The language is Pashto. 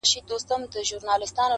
ستا پیغام به د بڼو پر څوکو وړمه٫